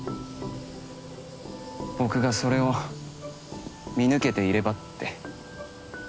僕がそれを見抜けていればって。